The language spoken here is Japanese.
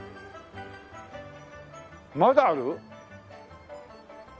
まだある？